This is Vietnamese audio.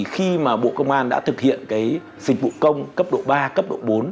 khi mà bộ công an đã thực hiện dịch vụ công cấp độ ba cấp độ bốn